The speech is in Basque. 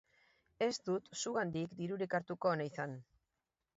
Ez dut zugandik dirurik hartuko, Nathan.